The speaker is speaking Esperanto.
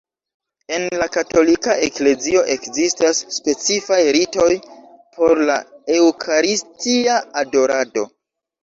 En la Katolika Eklezio ekzistas specifaj ritoj por la Eŭkaristia adorado.